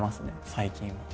最近は。